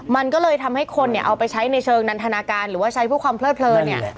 มันก็เลยทำให้คนเนี่ยเอาไปใช้ในเชิงนันทนาการหรือว่าใช้เพื่อความเลิดเลินเนี่ย